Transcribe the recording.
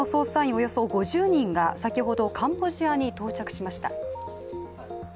およそ５０人が先ほど、カンボジアに到着しました。